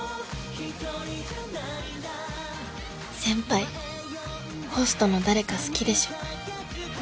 先輩ホストの誰か好きでしょ？